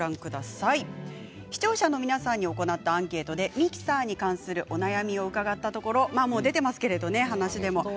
視聴者の皆さんに行ったアンケートでミキサーに関するお悩みを伺ったところ出ていますけれどもね、話でも。